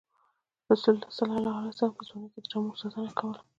رسول الله ﷺ په ځوانۍ کې د رمو ساتنه یې کوله.